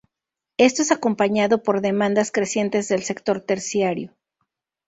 Esto es acompañado por demandas crecientes del sector terciario.